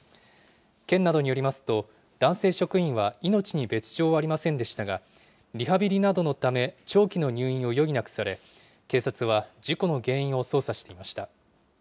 県などによりますと、男性職員は命に別状はありませんでしたが、リハビリなどのため長期の入院を余儀なくされ、警察は事故の原因を捜査していました。